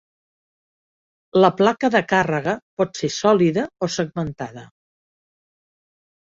La placa de càrrega pot ser sòlida o segmentada.